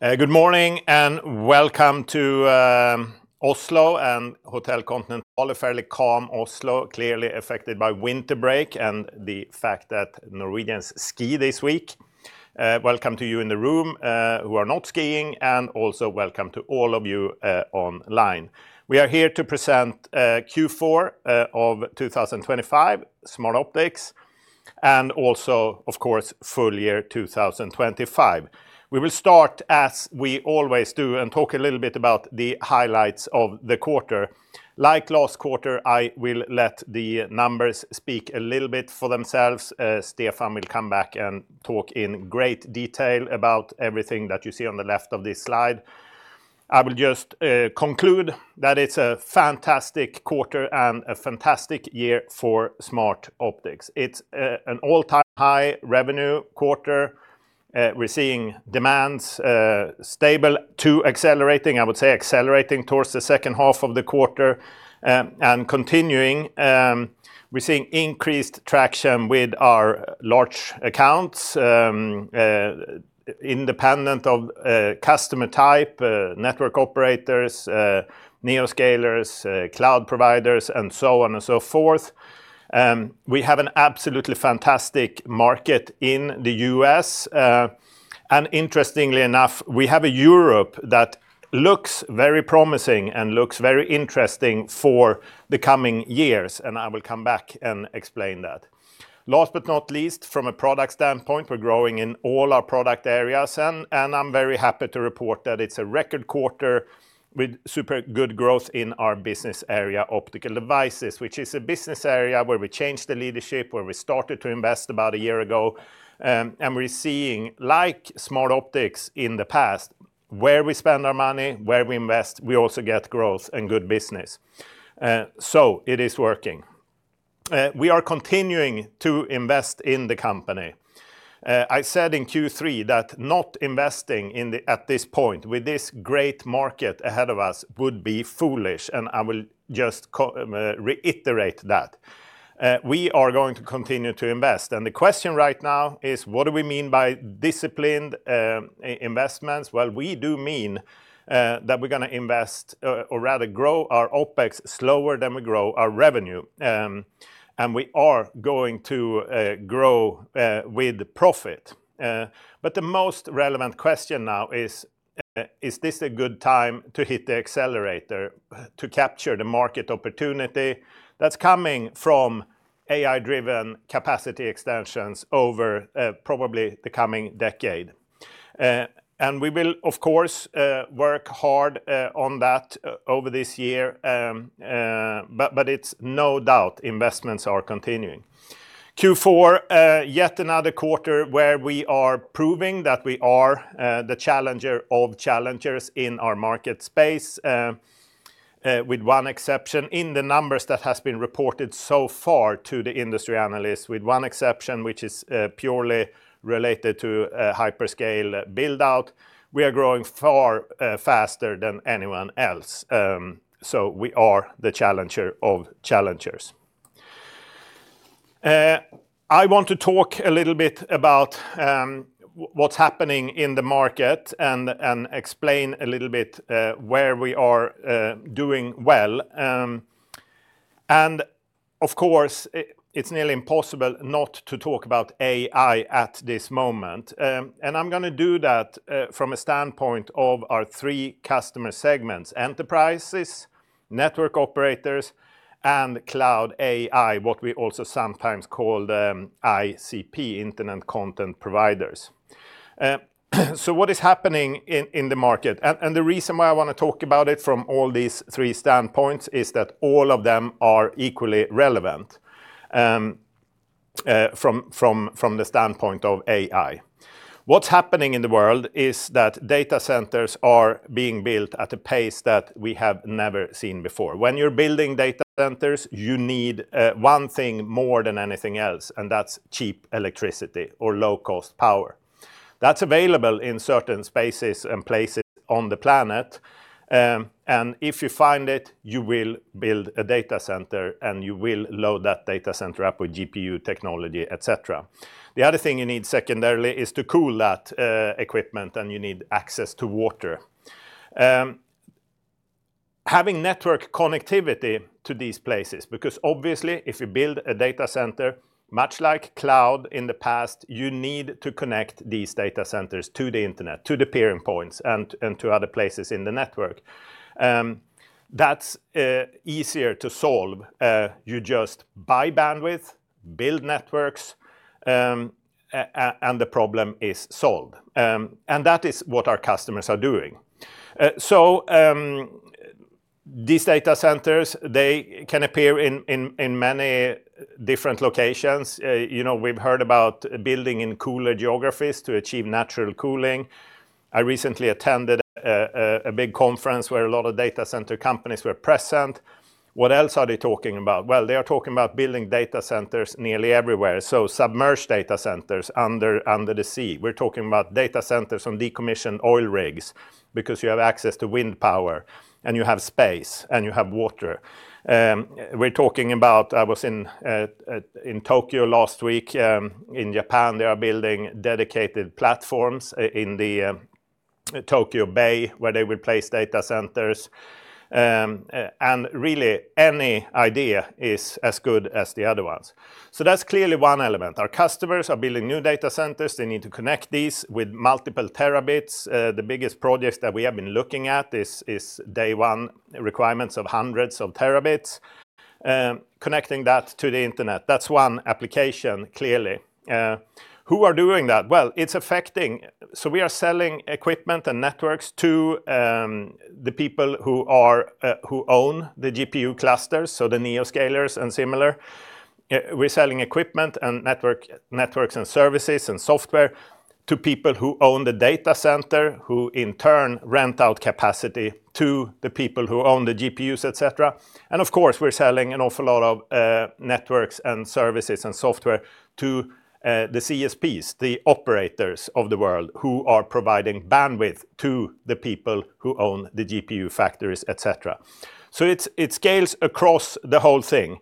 Good morning, and welcome to Oslo and Hotel Continental, a fairly calm Oslo, clearly affected by winter break and the fact that Norwegians ski this week. Welcome to you in the room who are not skiing, and also welcome to all of you online. We are here to present Q4 of 2025, Smartoptics, and also, of course, full year 2025. We will start as we always do, and talk a little bit about the highlights of the quarter. Like last quarter, I will let the numbers speak a little bit for themselves. Stefan will come back and talk in great detail about everything that you see on the left of this slide. I will just conclude that it's a fantastic quarter and a fantastic year for Smartoptics. It's an all-time high revenue quarter. We're seeing demands stable to accelerating. I would say accelerating towards the second half of the quarter and continuing. We're seeing increased traction with our large accounts independent of customer type, network operators, neo-scalers, cloud providers, and so on and so forth. We have an absolutely fantastic market in the U.S. And interestingly enough, we have a Europe that looks very promising and looks very interesting for the coming years, and I will come back and explain that. Last but not least, from a product standpoint, we're growing in all our product areas, and I'm very happy to report that it's a record quarter with super good growth in our business area, Optical Devices, which is a business area where we changed the leadership, where we started to invest about a year ago. We're seeing, like Smartoptics in the past, where we spend our money, where we invest, we also get growth and good business. So it is working. We are continuing to invest in the company. I said in Q3 that not investing at this point, with this great market ahead of us, would be foolish, and I will just reiterate that. We are going to continue to invest, and the question right now is, what do we mean by disciplined investments? Well, we do mean that we're gonna invest, or rather grow our OPEX slower than we grow our revenue. And we are going to grow with profit. But the most relevant question now is, is this a good time to hit the accelerator, to capture the market opportunity that's coming from AI-driven capacity extensions over probably the coming decade? And we will, of course, work hard on that over this year. But it's no doubt investments are continuing. Q4, yet another quarter where we are proving that we are the challenger of challengers in our market space, with one exception. In the numbers that has been reported so far to the industry analysts, with one exception, which is purely related to hyperscale build-out, we are growing far faster than anyone else. So we are the challenger of challengers. I want to talk a little bit about what's happening in the market and explain a little bit where we are doing well. And of course, it's nearly impossible not to talk about AI at this moment. And I'm gonna do that from a standpoint of our three customer segments: enterprises, network operators, and cloud AI, what we also sometimes call ICP, Internet Content Providers. So what is happening in the market? And the reason why I wanna talk about it from all these three standpoints is that all of them are equally relevant from the standpoint of AI. What's happening in the world is that data centers are being built at a pace that we have never seen before. When you're building data centers, you need one thing more than anything else, and that's cheap electricity or low-cost power. That's available in certain spaces and places on the planet, and if you find it, you will build a data center, and you will load that data center up with GPU technology, et cetera. The other thing you need secondarily is to cool that equipment, and you need access to water. Having network connectivity to these places, because obviously, if you build a data center, much like cloud in the past, you need to connect these data centers to the internet, to the peering points, and to other places in the network. That's easier to solve. You just buy bandwidth, build networks, and the problem is solved. And that is what our customers are doing. So, these data centers, they can appear in many different locations. You know, we've heard about building in cooler geographies to achieve natural cooling. I recently attended a big conference where a lot of data center companies were present. What else are they talking about? Well, they are talking about building data centers nearly everywhere, so submerged data centers under the sea. We're talking about data centers on decommissioned oil rigs, because you have access to wind power, and you have space, and you have water. We're talking about. I was in Tokyo last week. In Japan, they are building dedicated platforms in the Tokyo Bay, where they would place data centers. And really, any idea is as good as the other ones. So that's clearly one element. Our customers are building new data centers. They need to connect these with multiple terabits. The biggest projects that we have been looking at is day one requirements of hundreds of terabits, connecting that to the internet. That's one application, clearly. Who are doing that? Well, so we are selling equipment and networks to the people who own the GPU clusters, so the neo-scalers and similar. We're selling equipment and networks and services and software to people who own the data center, who in turn rent out capacity to the people who own the GPUs, et cetera. And of course, we're selling an awful lot of networks and services and software to the CSPs, the operators of the world, who are providing bandwidth to the people who own the GPU factories, et cetera. So it scales across the whole thing.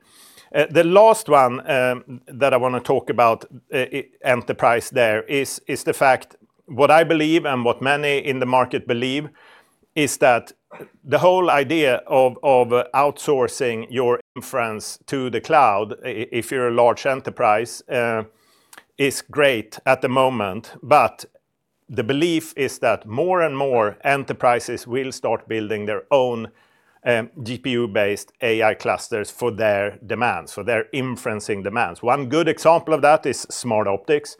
The last one that I wanna talk about, enterprise there is, is the fact what I believe and what many in the market believe is that the whole idea of outsourcing your inference to the cloud, if you're a large enterprise, is great at the moment. But the belief is that more and more enterprises will start building their own GPU-based AI clusters for their demands, for their inferencing demands. One good example of that is Smartoptics.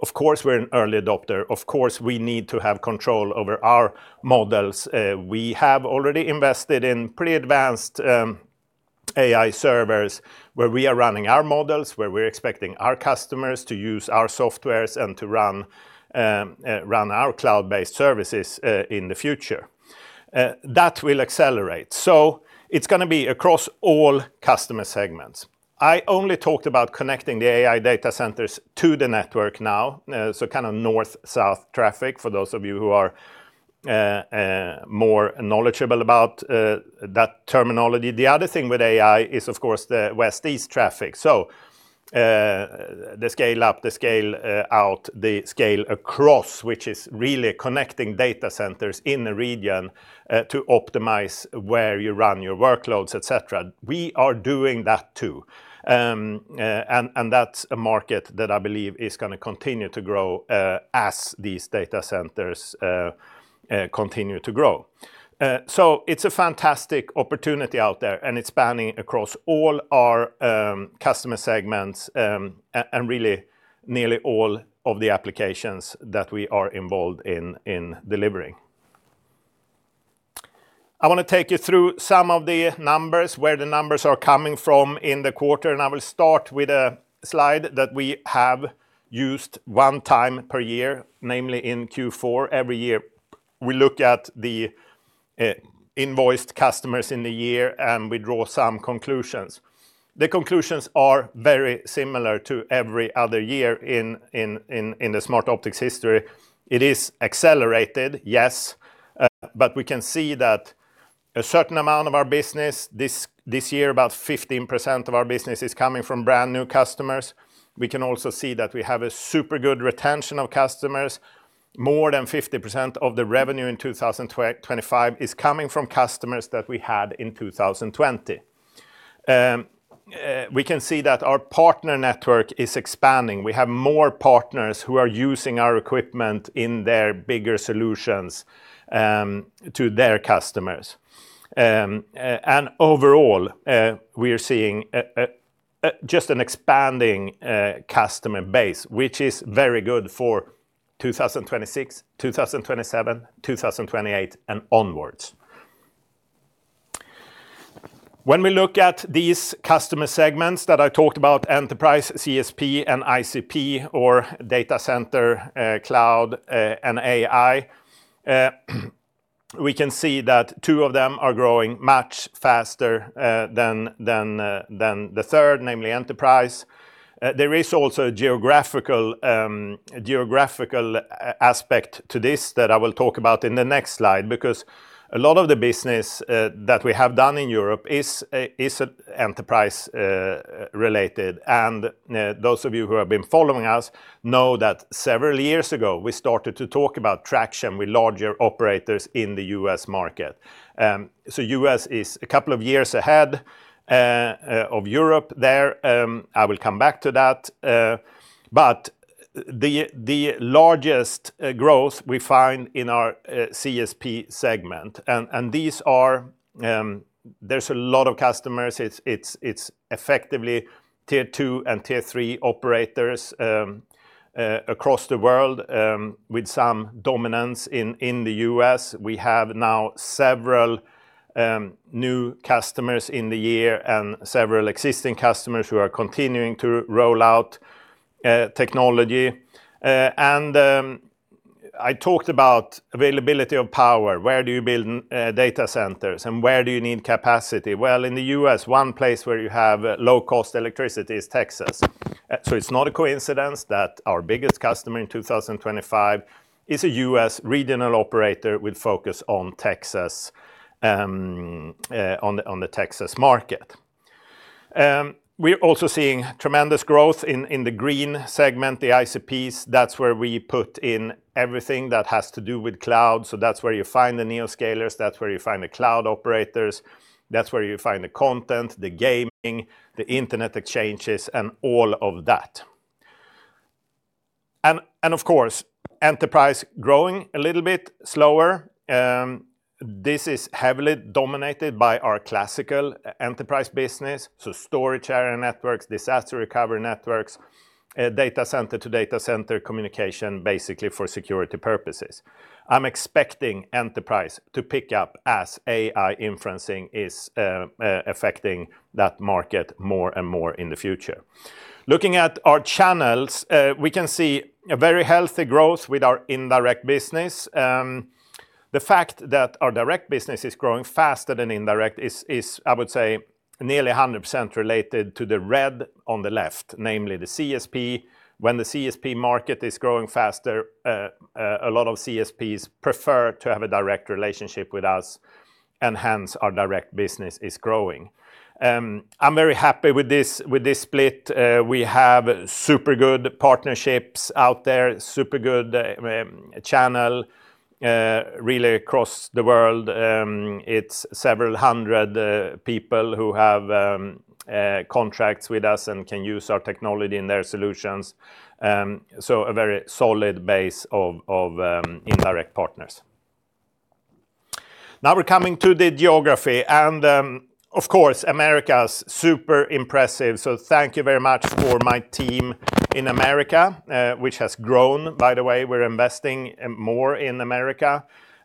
Of course, we're an early adopter. Of course, we need to have control over our models. We have already invested in pretty advanced AI servers, where we are running our models, where we're expecting our customers to use our software and to run our cloud-based services in the future. That will accelerate. So it's gonna be across all customer segments. I only talked about connecting the AI data centers to the network now, so kind of north-south traffic, for those of you who are more knowledgeable about that terminology. The other thing with AI is, of course, the west-east traffic. So, the scale up, the scale out, the scale across, which is really connecting data centers in the region to optimize where you run your workloads, et cetera. We are doing that, too. And that's a market that I believe is gonna continue to grow, as these data centers continue to grow. So it's a fantastic opportunity out there, and it's spanning across all our customer segments, and really nearly all of the applications that we are involved in, in delivering. I wanna take you through some of the numbers, where the numbers are coming from in the quarter, and I will start with a slide that we have used one time per year, namely in Q4 every year. We look at the invoiced customers in the year, and we draw some conclusions. The conclusions are very similar to every other year in the Smartoptics history. It is accelerated, yes, but we can see that a certain amount of our business this year, about 15% of our business, is coming from brand-new customers. We can also see that we have a super good retention of customers. More than 50% of the revenue in 2025 is coming from customers that we had in 2020. We can see that our partner network is expanding. We have more partners who are using our equipment in their bigger solutions to their customers. And overall, we are seeing just an expanding customer base, which is very good for 2026, 2027, 2028, and onwards. When we look at these customer segments that I talked about, enterprise, CSP, and ICP or data center, cloud, and AI, we can see that two of them are growing much faster than the third, namely enterprise. There is also a geographical aspect to this that I will talk about in the next slide, because a lot of the business that we have done in Europe is enterprise related. Those of you who have been following us know that several years ago, we started to talk about traction with larger operators in the US market. US is a couple of years ahead of Europe there. I will come back to that, but the largest growth we find is in our CSP segment. These are... There's a lot of customers. It's effectively tier two and tier three operators across the world, with some dominance in the US. We have now several new customers in the year and several existing customers who are continuing to roll out technology. I talked about availability of power. Where do you build data centers, and where do you need capacity? Well, in the US, one place where you have low-cost electricity is Texas. So it's not a coincidence that our biggest customer in 2025 is a US regional operator with focus on Texas, on the Texas market. We're also seeing tremendous growth in the green segment, the ICPs. That's where we put in everything that has to do with cloud. So that's where you find the neo-scalers, that's where you find the cloud operators, that's where you find the content, the gaming, the internet exchanges, and all of that. And of course, enterprise growing a little bit slower. This is heavily dominated by our classical enterprise business, so storage area networks, disaster recovery networks, data center to data center communication, basically for security purposes. I'm expecting enterprise to pick up as AI inferencing is affecting that market more and more in the future. Looking at our channels, we can see a very healthy growth with our indirect business. The fact that our direct business is growing faster than indirect is, I would say, nearly 100% related to the red on the left, namely the CSP. When the CSP market is growing faster, a lot of CSPs prefer to have a direct relationship with us, and hence our direct business is growing. I'm very happy with this, with this split. We have super good partnerships out there, super good channel really across the world. It's several hundred people who have contracts with us and can use our technology in their solutions. So a very solid base of indirect partners. Now we're coming to the geography and, of course, Americas is super impressive. So thank you very much for my team in Americas, which has grown, by the way. We're investing more in Americas,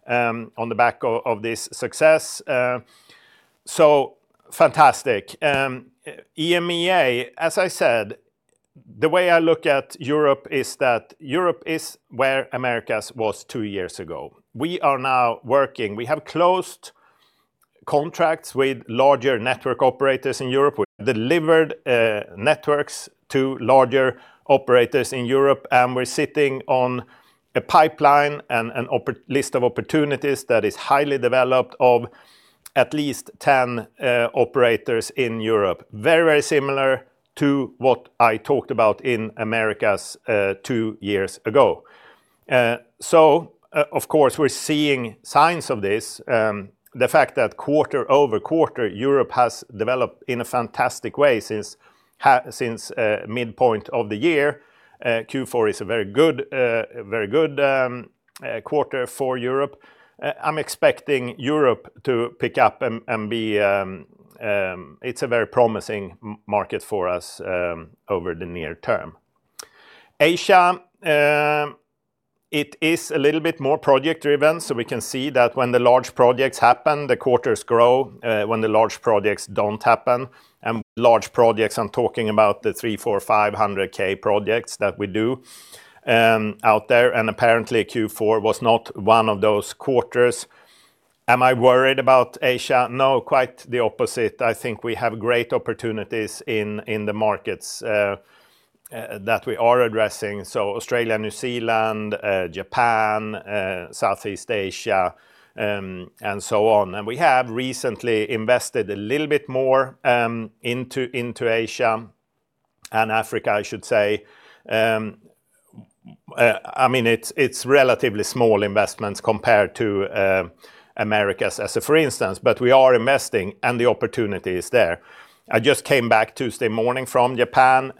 on the back of this success. So fantastic. EMEA, as I said, the way I look at Europe is that Europe is where Americas was two years ago. We are now working. We have closed contracts with larger network operators in Europe. We've delivered networks to larger operators in Europe, and we're sitting on a pipeline and an opportunity list of opportunities that is highly developed of at least 10 operators in Europe. Very, very similar to what I talked about in Americas two years ago. Of course, we're seeing signs of this. The fact that quarter-over-quarter, Europe has developed in a fantastic way since midpoint of the year. Q4 is a very good quarter for Europe. I'm expecting Europe to pick up and be... It's a very promising market for us over the near term. Asia, it is a little bit more project-driven, so we can see that when the large projects happen, the quarters grow. When the large projects don't happen, and large projects, I'm talking about the $300K, $400K, $500K projects that we do out there, and apparently, Q4 was not one of those quarters. Am I worried about Asia? No, quite the opposite. I think we have great opportunities in the markets that we are addressing, so Australia, New Zealand, Japan, Southeast Asia, and so on. And we have recently invested a little bit more into Asia and Africa, I should say. I mean, it's relatively small investments compared to Americas as, for instance, but we are investing and the opportunity is there. I just came back Tuesday morning from Japan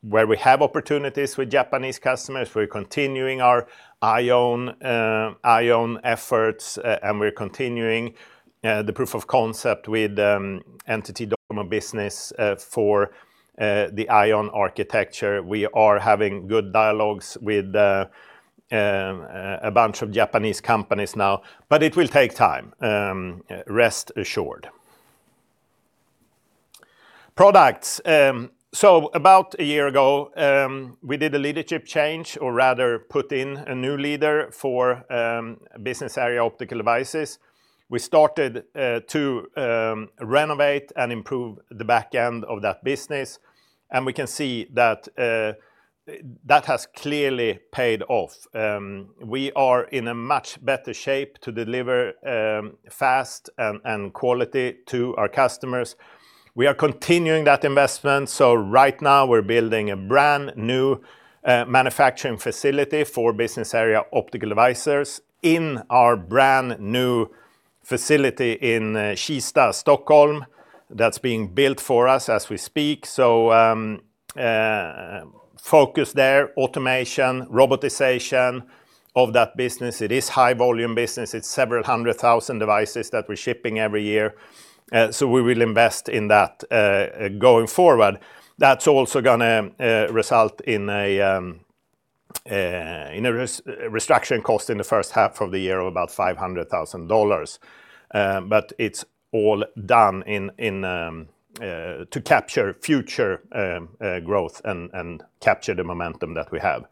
where we have opportunities with Japanese customers. We're continuing our IOWN efforts, and we're continuing the proof of concept with NTT DOCOMO Business for the IOWN architecture. We are having good dialogues with a bunch of Japanese companies now, but it will take time, rest assured. Products. So about a year ago, we did a leadership change, or rather, put in a new leader for business area Optical Devices. We started to renovate and improve the back end of that business, and we can see that that has clearly paid off. We are in a much better shape to deliver fast and quality to our customers. We are continuing that investment, so right now, we're building a brand-new manufacturing facility for business area Optical Devices in our brand-new facility in Kista, Stockholm. That's being built for us as we speak, so focus there, automation, robotization of that business. It is high-volume business. It's several hundred thousand devices that we're shipping every year. So we will invest in that going forward. That's also gonna result in a restructure cost in the first half of the year of about $500,000. But it's all done to capture future growth and capture the momentum that we have...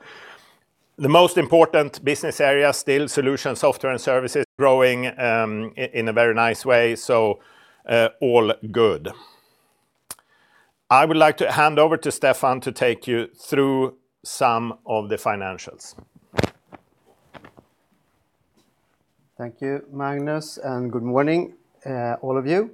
The most important business area, still Solutions, Software, and Services growing in a very nice way, so all good. I would like to hand over to Stefan to take you through some of the financials. Thank you, Magnus, and good morning, all of you.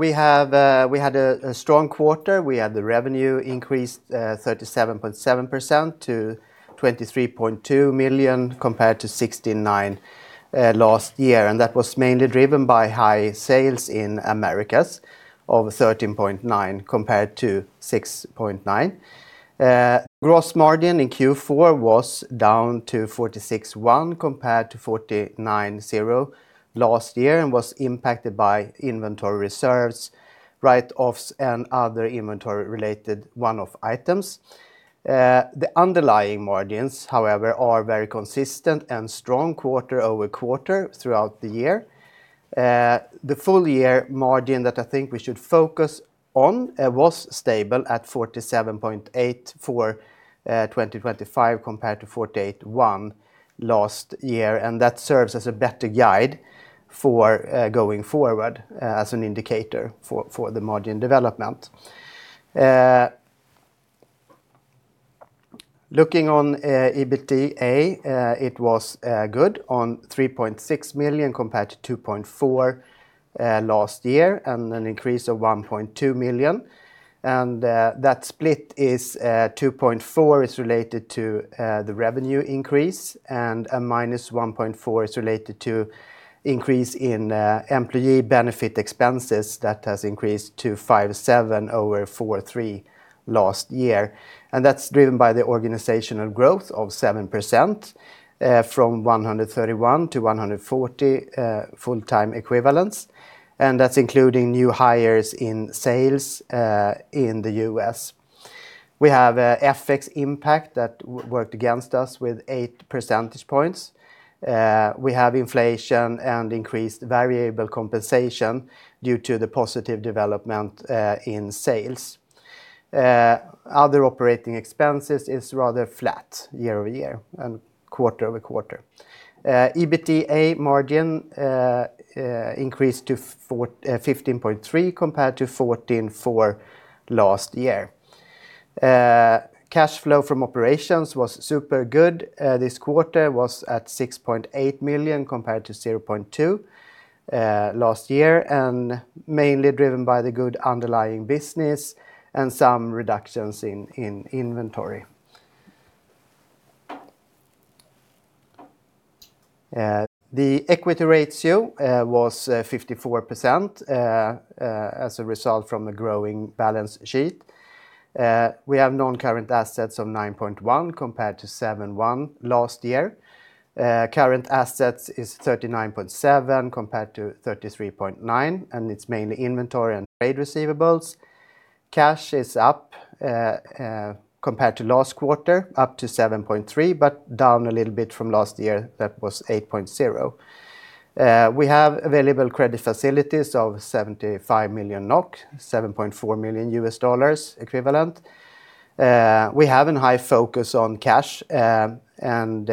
We had a strong quarter. We had the revenue increased 37.7% to $23.2 million, compared to $16.9 million last year. That was mainly driven by high sales in Americas of $13.9 million, compared to $6.9 million. Gross margin in Q4 was down to 46.1%, compared to 49.0% last year, and was impacted by inventory reserves, write-offs, and other inventory-related one-off items. The underlying margins, however, are very consistent and strong quarter-over-quarter throughout the year. The full year margin that I think we should focus on was stable at 47.8% for 2025, compared to 48.1% last year. That serves as a better guide for going forward as an indicator for the margin development. Looking at EBITDA, it was good, $3.6 million, compared to $2.4 million last year, and an increase of $1.2 million. That split is $2.4 million is related to the revenue increase, and -$1.4 million is related to increase in employee benefit expenses. That has increased to 57% over 43% last year. That's driven by the organizational growth of 7%, from 131 to 140 full-time equivalents, and that's including new hires in sales in the U.S. We have a FX impact that worked against us with 8 percentage points. We have inflation and increased variable compensation due to the positive development in sales. Other operating expenses is rather flat year-over-year and quarter-over-quarter. EBITDA margin increased to 15.3%, compared to 14.4% last year. Cash flow from operations was super good. This quarter was at $6.8 million, compared to $0.2 million last year, and mainly driven by the good underlying business and some reductions in inventory. The equity ratio was 54%, as a result from a growing balance sheet. We have non-current assets of $9.1 million, compared to $7.1 million last year. Current assets is $39.7 million, compared to $33.9 million, and it's mainly inventory and trade receivables. Cash is up, compared to last quarter, up to 7.3, but down a little bit from last year, that was 8.0. We have available credit facilities of 75 million NOK, $7.4 million equivalent. We have a high focus on cash, and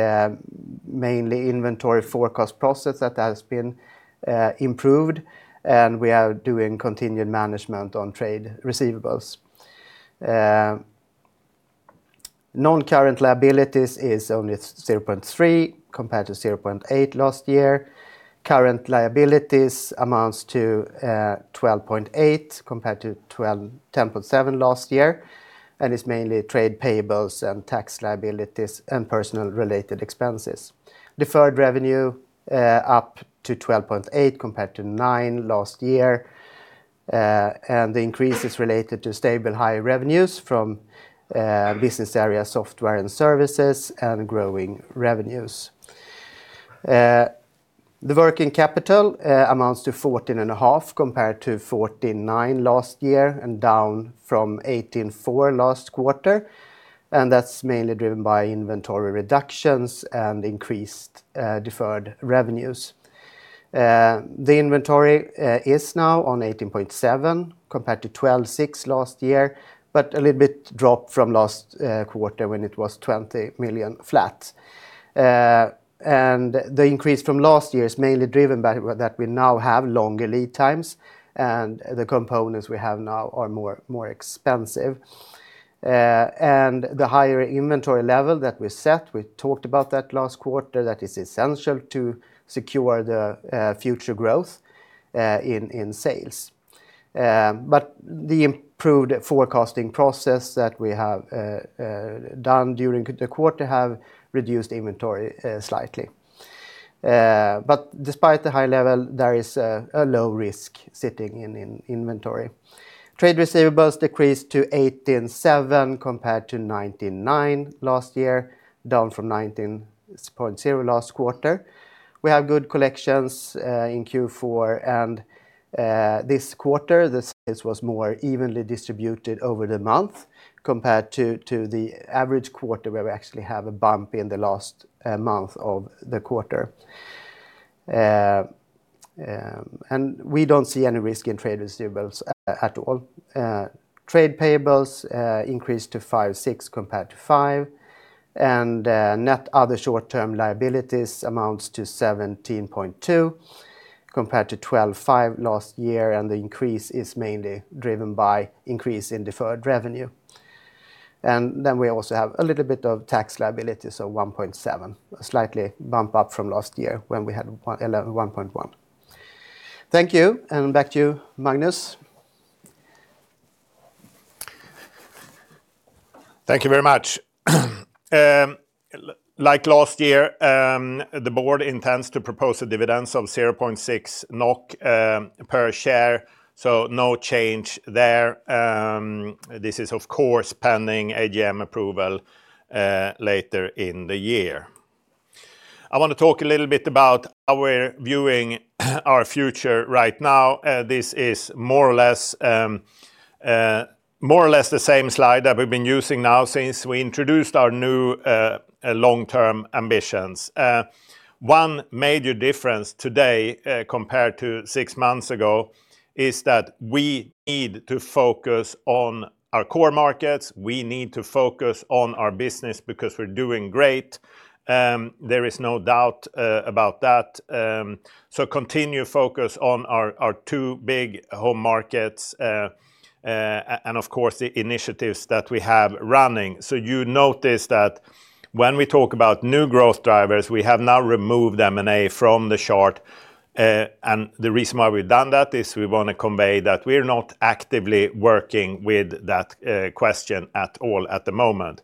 mainly inventory forecast process that has been improved, and we are doing continued management on trade receivables. Non-current liabilities is only 0.3, compared to 0.8 last year. Current liabilities amounts to 12.8, compared to 10.7 last year, and it's mainly trade payables and tax liabilities and personal related expenses. Deferred revenue, up to 12.8, compared to 9 last year, and the increase is related to stable high revenues from business area, software and services, and growing revenues. The working capital amounts to $14.5 million, compared to $49 million last year, and down from $18.4 million last quarter, and that's mainly driven by inventory reductions and increased deferred revenues. The inventory is now on $18.7 million, compared to $12.6 million last year, but a little bit drop from last quarter when it was $20 million flat. And the increase from last year is mainly driven by that we now have longer lead times, and the components we have now are more, more expensive. And the higher inventory level that we set, we talked about that last quarter, that is essential to secure the future growth in sales. But the improved forecasting process that we have done during the quarter have reduced inventory slightly. But despite the high level, there is a low risk sitting in inventory. Trade receivables decreased to $18.7, compared to $99 last year, down from $19.0 last quarter. We have good collections in Q4, and this quarter, the sales was more evenly distributed over the month, compared to the average quarter, where we actually have a bump in the last month of the quarter. And we don't see any risk in trade receivables at all. Trade payables increased to $5.6 compared to $5, and net other short-term liabilities amounts to $17.2, compared to $12.5 last year, and the increase is mainly driven by increase in deferred revenue. And then we also have a little bit of tax liability, so $1.7. Slightly bump up from last year, when we had $1.1. Thank you, and back to you, Magnus. Thank you very much. Like last year, the board intends to propose a dividend of 0.6 NOK per share, so no change there. This is, of course, pending AGM approval later in the year. I want to talk a little bit about how we're viewing our future right now. This is more or less the same slide that we've been using now since we introduced our new long-term ambitions. One major difference today, compared to six months ago, is that we need to focus on our core markets. We need to focus on our business, because we're doing great. There is no doubt about that. So continue focus on our two big home markets and of course, the initiatives that we have running. So you notice that when we talk about new growth drivers, we have now removed M&A from the chart. And the reason why we've done that is we want to convey that we're not actively working with that question at all at the moment.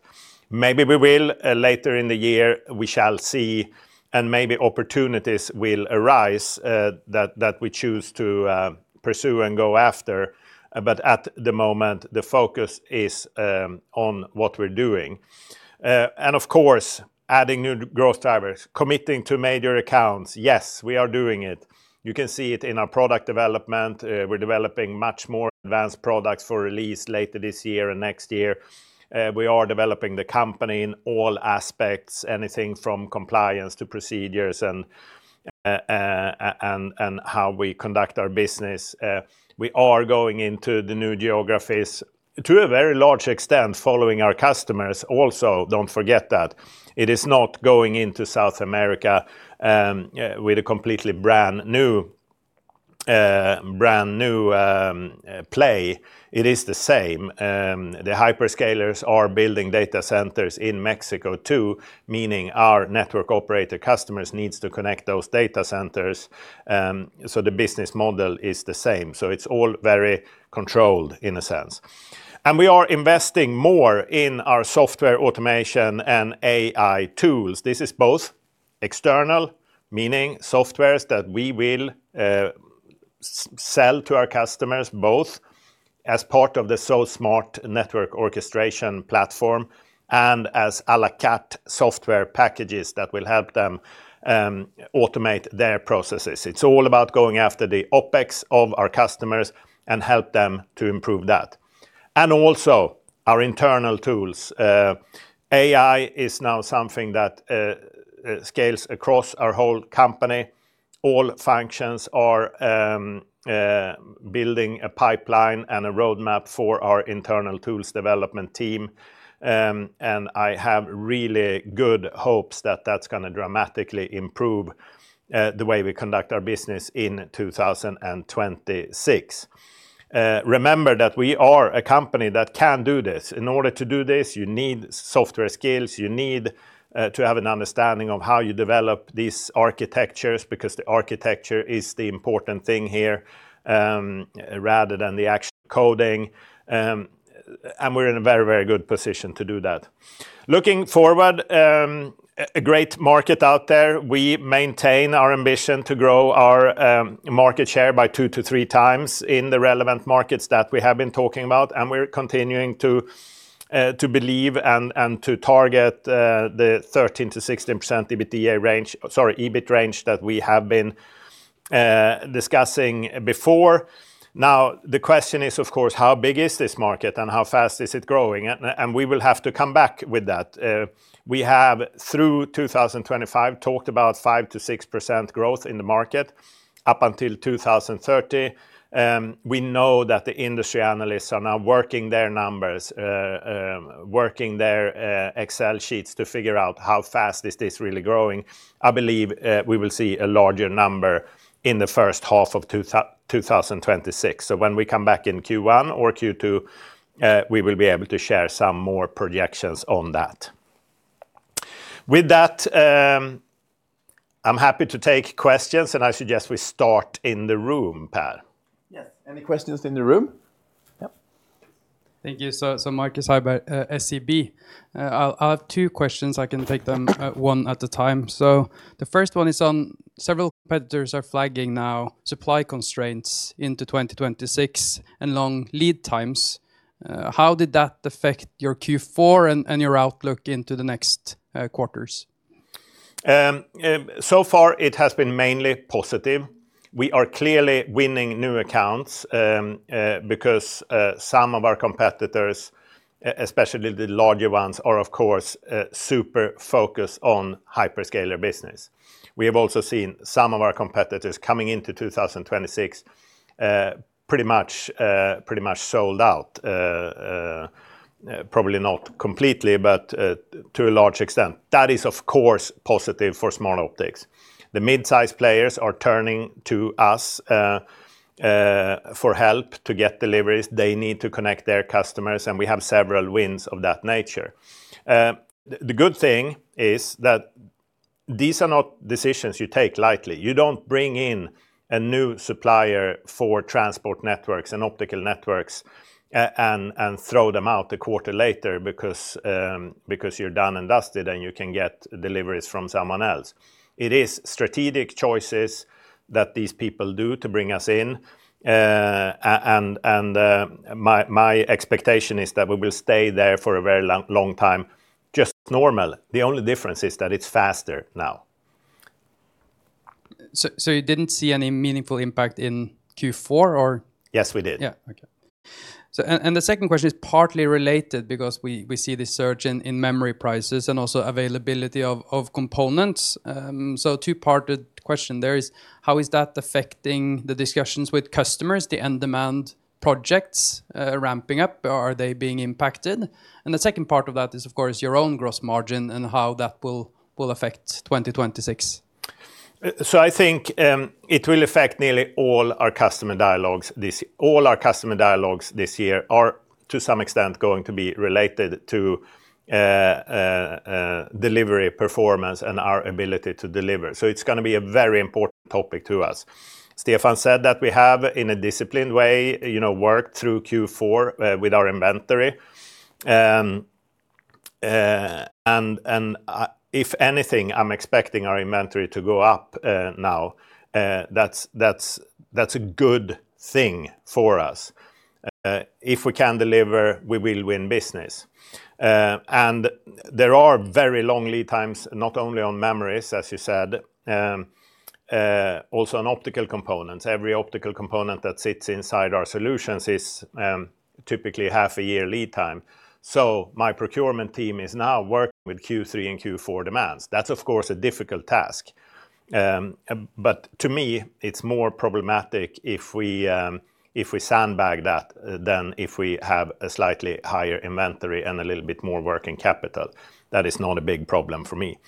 Maybe we will later in the year, we shall see, and maybe opportunities will arise that we choose to pursue and go after. But at the moment, the focus is on what we're doing. And of course, adding new growth drivers. Committing to major accounts, yes, we are doing it. You can see it in our product development. We're developing much more advanced products for release later this year and next year. We are developing the company in all aspects, anything from compliance to procedures and how we conduct our business. We are going into the new geographies, to a very large extent, following our customers also. Don't forget that. It is not going into South America with a completely brand-new play. It is the same. The hyperscalers are building data centers in Mexico, too, meaning our network operator customers needs to connect those data centers. The business model is the same, so it's all very controlled, in a sense. We are investing more in our software automation and AI tools. This is both external, meaning softwares that we will sell to our customers, both as part of the SoSmart network orchestration platform, and as a la carte software packages that will help them automate their processes. It's all about going after the OpEx of our customers and help them to improve that. And also, our internal tools. AI is now something that scales across our whole company. All functions are building a pipeline and a roadmap for our internal tools development team. And I have really good hopes that that's gonna dramatically improve the way we conduct our business in 2026. Remember that we are a company that can do this. In order to do this, you need software skills, you need to have an understanding of how you develop these architectures, because the architecture is the important thing here, rather than the actual coding. And we're in a very, very good position to do that. Looking forward, a great market out there. We maintain our ambition to grow our market share by 2-3 times in the relevant markets that we have been talking about, and we're continuing to believe and to target the 13%-16% EBITDA range... Sorry, EBIT range that we have been discussing before. Now, the question is, of course, how big is this market, and how fast is it growing? And we will have to come back with that. We have, through 2025, talked about 5%-6% growth in the market up until 2030. We know that the industry analysts are now working their numbers, working their Excel sheets to figure out how fast is this really growing? I believe we will see a larger number in the first half of 2026. When we come back in Q1 or Q2, we will be able to share some more projections on that. With that, I'm happy to take questions, and I suggest we start in the room, Per. Yes. Any questions in the room? Yep. Thank you. So, Markus Heiberg, SEB. I'll have two questions. I can take them one at a time. So the first one is on several competitors are flagging now supply constraints into 2026 and long lead times. How did that affect your Q4 and your outlook into the next quarters? So far, it has been mainly positive. We are clearly winning new accounts because some of our competitors, especially the larger ones, are, of course, super focused on hyperscaler business. We have also seen some of our competitors coming into 2026 pretty much sold out. Probably not completely, but to a large extent. That is, of course, positive for Smartoptics. The mid-size players are turning to us for help to get deliveries. They need to connect their customers, and we have several wins of that nature. The good thing is that these are not decisions you take lightly. You don't bring in a new supplier for transport networks and optical networks, and throw them out a quarter later because, because you're done and dusted, and you can get deliveries from someone else. It is strategic choices that these people do to bring us in. My expectation is that we will stay there for a very long, long time, just normal. The only difference is that it's faster now. So, you didn't see any meaningful impact in Q4, or? Yes, we did. Yeah. Okay. So, and the second question is partly related because we see this surge in memory prices and also availability of components. So two-parted question there is: How is that affecting the discussions with customers, the end demand projects, ramping up? Are they being impacted? And the second part of that is, of course, your own gross margin and how that will affect 2026. So I think it will affect nearly all our customer dialogues. All our customer dialogues this year are, to some extent, going to be related to delivery, performance, and our ability to deliver. So it's gonna be a very important topic to us. Stefan said that we have, in a disciplined way, you know, worked through Q4 with our inventory. And if anything, I'm expecting our inventory to go up now. That's a good thing for us. If we can deliver, we will win business. And there are very long lead times, not only on memories, as you said, also on optical components. Every optical component that sits inside our solutions is typically half a year lead time. So my procurement team is now working with Q3 and Q4 demands. That's, of course, a difficult task. But to me, it's more problematic if we sandbag that, than if we have a slightly higher inventory and a little bit more working capital. That is not a big problem for me.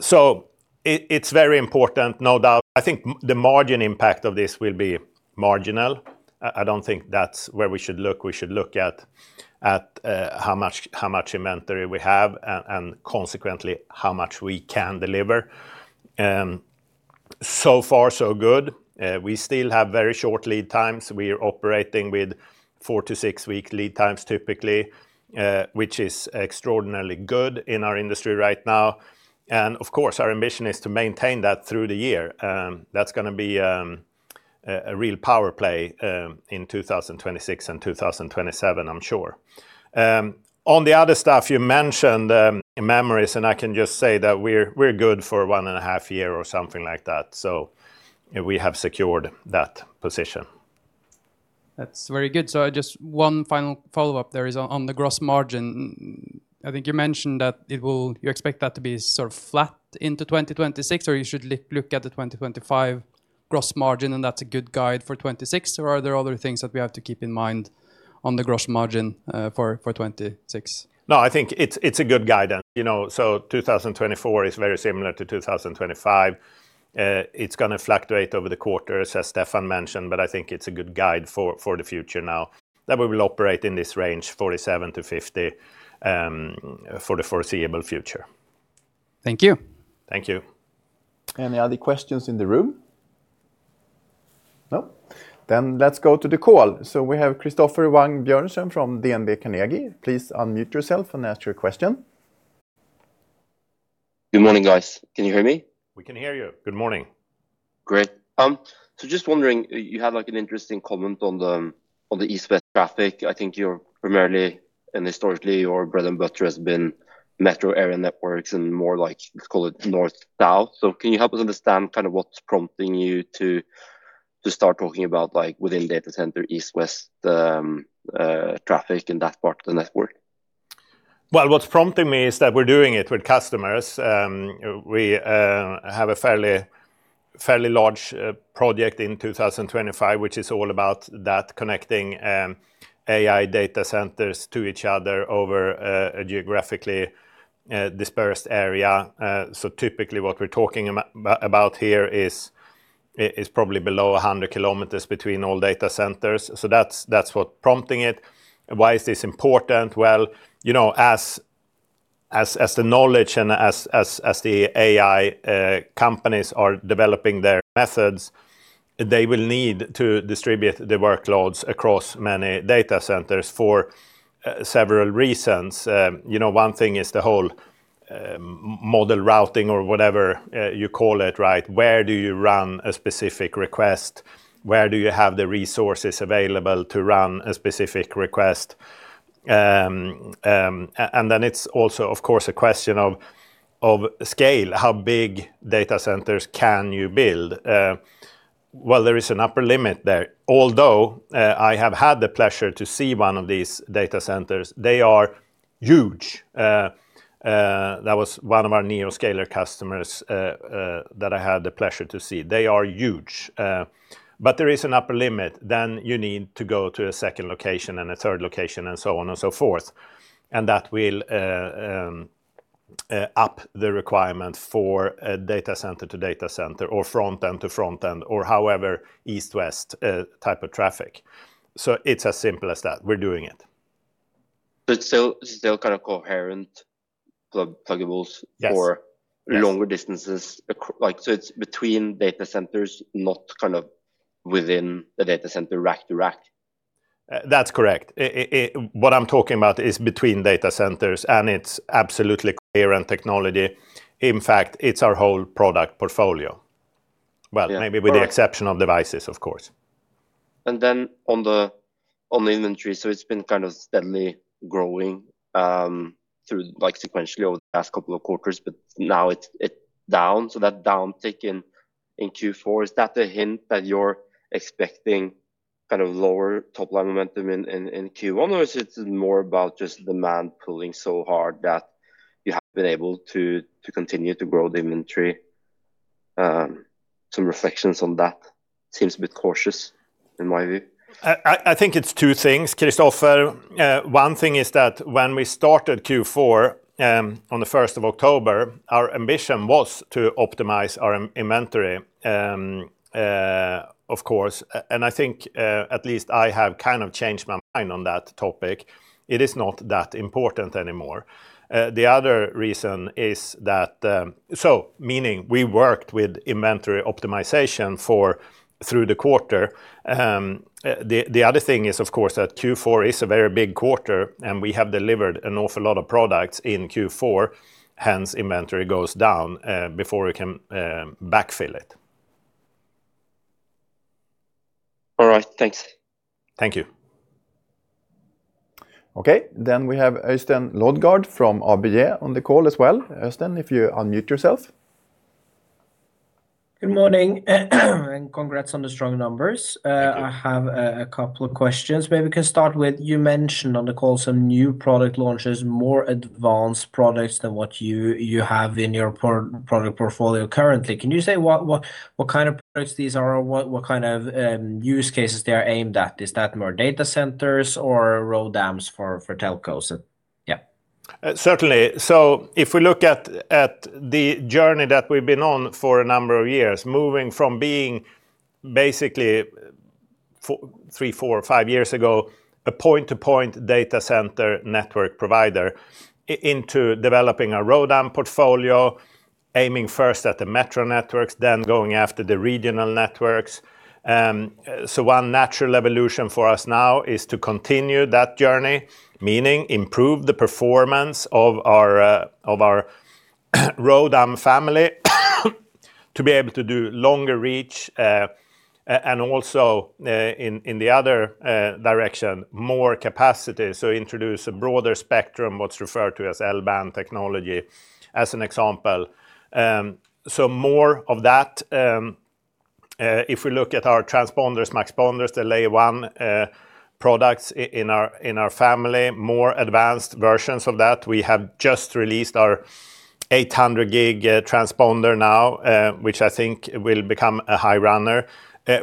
So it, it's very important, no doubt. I think the margin impact of this will be marginal. I don't think that's where we should look. We should look at how much inventory we have and consequently, how much we can deliver. So far so good. We still have very short lead times. We are operating with 4-6-week lead times, typically, which is extraordinarily good in our industry right now. And of course, our ambition is to maintain that through the year. That's gonna be a real power play in 2026 and 2027, I'm sure. On the other stuff you mentioned, memories, and I can just say that we're good for 1.5 year or something like that, so, and we have secured that position. That's very good. So I just one final follow-up there is on the gross margin. I think you mentioned that it will... you expect that to be sort of flat into 2026, or you should look at the 2025 gross margin, and that's a good guide for 2026? Or are there other things that we have to keep in mind on the gross margin for 2026? No, I think it's a good guidance. You know, so 2024 is very similar to 2025. It's gonna fluctuate over the quarters, as Stefan mentioned, but I think it's a good guide for the future now, that we will operate in this range, 47-50, for the foreseeable future. Thank you. Thank you. Any other questions in the room? No. Then let's go to the call. So we have Christoffer Wang Bjørnsen from DNB Carnegie. Please unmute yourself and ask your question. Good morning, guys. Can you hear me? We can hear you. Good morning. Great. So just wondering, you had, like, an interesting comment on the, on the east-west traffic. I think you're primarily, and historically, your bread and butter has been metro area networks and more like, let's call it north-south. So can you help us understand kind of what's prompting you to, to start talking about, like, within data center, east-west traffic in that part of the network? Well, what's prompting me is that we're doing it with customers. We have a fairly, fairly large project in 2025, which is all about that, connecting AI data centers to each other over a geographically dispersed area. So typically, what we're talking about here is probably below 100 kilometers between all data centers, so that's what prompting it. Why is this important? Well, you know, as the knowledge and as the AI companies are developing their methods, they will need to distribute the workloads across many data centers for several reasons. You know, one thing is the whole model routing or whatever you call it, right? Where do you run a specific request? Where do you have the resources available to run a specific request?... And then it's also, of course, a question of scale. How big data centers can you build? Well, there is an upper limit there, although I have had the pleasure to see one of these data centers. They are huge. That was one of our neo-scaler customers that I had the pleasure to see. They are huge, but there is an upper limit. Then you need to go to a second location and a third location, and so on and so forth. And that will up the requirement for a data center to data center or front end to front end or however, east-west type of traffic. So it's as simple as that. We're doing it. But still kind of coherent pluggables. Yes. For longer distances. Like, so it's between data centers, not kind of within the data center, rack to rack? That's correct. What I'm talking about is between data centers, and it's absolutely clear and technology. In fact, it's our whole product portfolio. Yeah. Well, maybe with the exception of devices, of course. And then on the inventory, so it's been kind of steadily growing through like sequentially over the past couple of quarters, but now it's down. So that downtick in Q4, is that a hint that you're expecting kind of lower top line momentum in Q1? Or is it more about just demand pulling so hard that you have been able to continue to grow the inventory? Some reflections on that. Seems a bit cautious, in my view. I think it's two things, Christoffer. One thing is that when we started Q4 on the 1st of October, our ambition was to optimize our inventory, of course, and I think at least I have kind of changed my mind on that topic. It is not that important anymore. The other reason is that, so meaning we worked with inventory optimization through the quarter. The other thing is, of course, that Q4 is a very big quarter, and we have delivered an awful lot of products in Q4, hence, inventory goes down before we can backfill it. All right. Thanks. Thank you. Okay, then we have Øystein Lodgaard from ABG on the call as well. Øystein, if you unmute yourself. Good morning, and congrats on the strong numbers. Thank you. I have a couple of questions. Maybe we can start with, you mentioned on the call some new product launches, more advanced products than what you have in your product portfolio currently. Can you say what kind of products these are or what kind of use cases they are aimed at? Is that more data centers or ROADMs for telcos? Yeah. Certainly. So if we look at the journey that we've been on for a number of years, moving from being basically three, four, or five years ago, a point-to-point data center network provider into developing a ROADM portfolio, aiming first at the metro networks, then going after the regional networks. So one natural evolution for us now is to continue that journey, meaning improve the performance of our ROADM family, to be able to do longer reach and also, in the other direction, more capacity. So introduce a broader spectrum, what's referred to as L-band technology, as an example. So more of that, if we look at our transponders, muxponders, the layer one products in our family, more advanced versions of that. We have just released our 800G transponder now, which I think will become a high runner.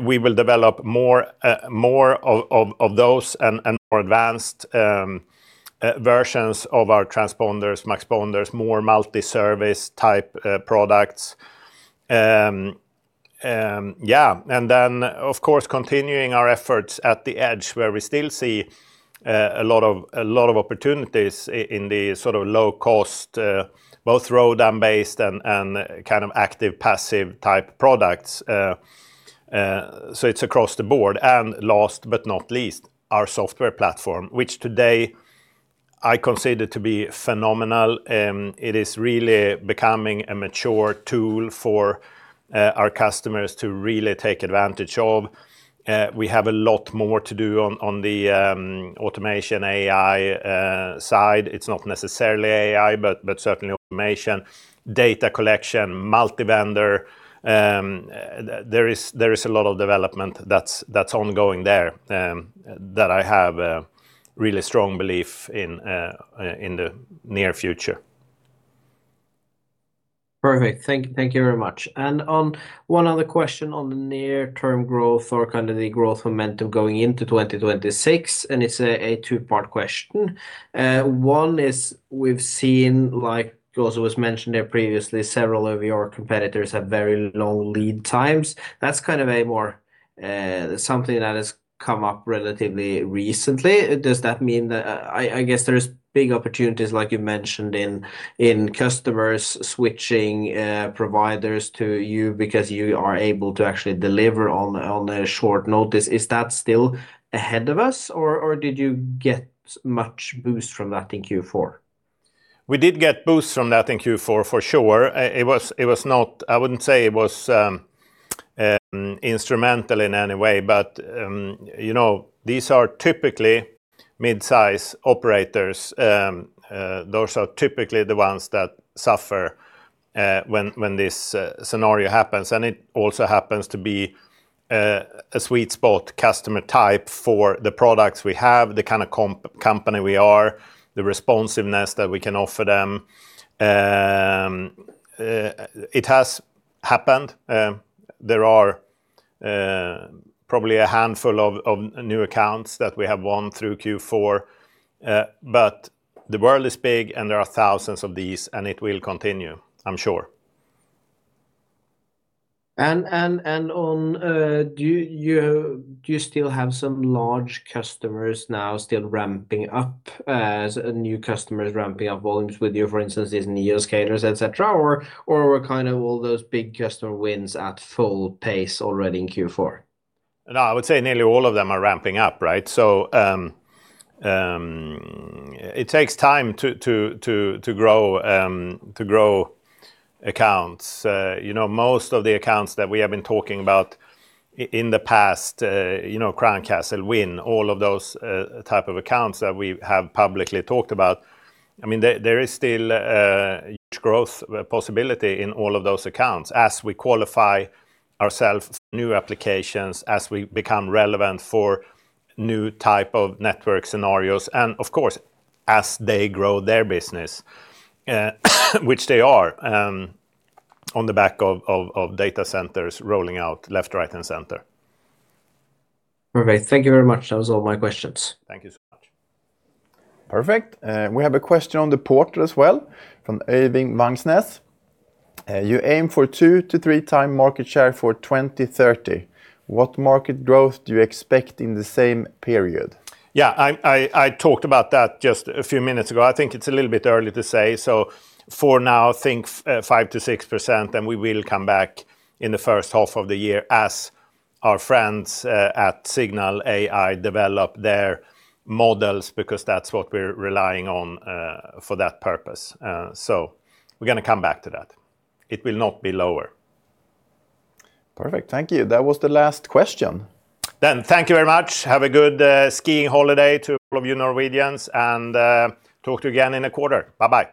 We will develop more of those and more advanced versions of our transponders, muxponders, more multi-service type products. Yeah, and then, of course, continuing our efforts at the edge, where we still see a lot of opportunities in the sort of low cost, both ROADM-based and kind of active, passive-type products. So it's across the board. And last but not least, our software platform, which today I consider to be phenomenal. It is really becoming a mature tool for our customers to really take advantage of. We have a lot more to do on the automation, AI side. It's not necessarily AI, but certainly automation, data collection, multi-vendor. There is a lot of development that's ongoing there, that I have a really strong belief in, in the near future. Perfect. Thank you. Thank you very much. And on one other question on the near-term growth or kind of the growth momentum going into 2026, and it's a two-part question. One is, we've seen, like also was mentioned there previously, several of your competitors have very long lead times. That's kind of a more something that has come up relatively recently. Does that mean that... I guess there's big opportunities, like you mentioned in customers switching providers to you because you are able to actually deliver on a short notice. Is that still ahead of us, or did you get much boost from that in Q4? We did get boosts from that in Q4 for sure. It was not—I wouldn't say it was instrumental in any way, but, you know, these are typically mid-size operators. Those are typically the ones that suffer when this scenario happens. And it also happens to be a sweet spot customer type for the products we have, the kind of company we are, the responsiveness that we can offer them. It has happened. There are probably a handful of new accounts that we have won through Q4. But the world is big, and there are thousands of these, and it will continue, I'm sure. Do you still have some large customers now still ramping up as new customers ramping up volumes with you, for instance, these neo-scalers, et cetera? Or were kind of all those big customer wins at full pace already in Q4? No, I would say nearly all of them are ramping up, right? So, it takes time to grow accounts. You know, most of the accounts that we have been talking about in the past, you know, Crown Castle, WIN, all of those type of accounts that we have publicly talked about. I mean, there is still a huge growth possibility in all of those accounts as we qualify ourselves for new applications, as we become relevant for new type of network scenarios, and of course, as they grow their business, which they are, on the back of data centers rolling out left, right, and center. All right. Thank you very much. That was all my questions. Thank you so much. Perfect. We have a question on the portal as well, from Irving Vangsness. You aim for 2-3 times market share for 2030. What market growth do you expect in the same period? Yeah, I talked about that just a few minutes ago. I think it's a little bit early to say. So for now, think 5%-6%, and we will come back in the first half of the year as our friends at Cignal AI develop their models, because that's what we're relying on for that purpose. So we're gonna come back to that. It will not be lower. Perfect. Thank you. That was the last question. Thank you very much. Have a good skiing holiday to all of you Norwegians, and talk to you again in a quarter. Bye-bye.